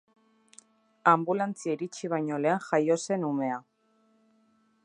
Anbulantzia iritsi baino lehen jaio zen umea.